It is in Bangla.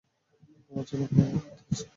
আমার জন্য কোন বার্তা আছে?